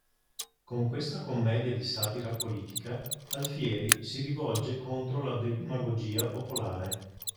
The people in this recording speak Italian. Con questa commedia di satira politica, Alfieri si rivolge contro la demagogia popolare.